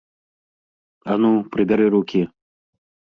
А ну, прыбяры рукі!